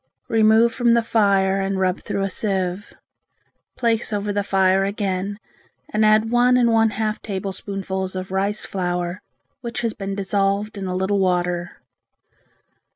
Remove from the fire and rub through a sieve. Place over the fire again and add one and one half tablespoonfuls of rice flour which has been dissolved in a little water.